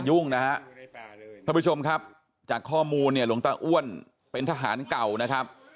ลงมาลงมาตีร่องไห้